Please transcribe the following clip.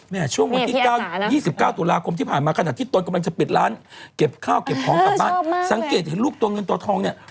ช่วงวันที่๒๙ตุลาคมที่ผ่านมาขณะที่ตนกำลังจะปิดร้านเก็บข้าวเก็บของกลับบ้านสังเกตเห็นลูกตัวเงินตัวทองเนี่ย